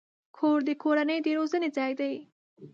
کور د کورنۍ د روزنې ځای دی.